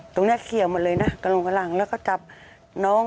ตรงนี้เคี่ยวมาเลยนะกระลงกระหลังแล้วก็จับน้อง